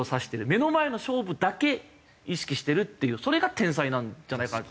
目の前の勝負だけ意識してるっていうそれが天才なんじゃないかなって。